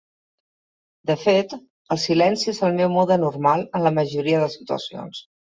De fet, El silenci és el meu mode normal en la majoria de situacions.